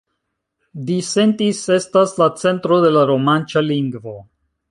Disentis estas la centro de la romanĉa lingvo.